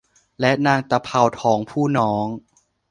และนางตะเภาทองผู้น้อง